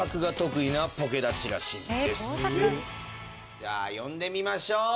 じゃあ呼んでみましょう。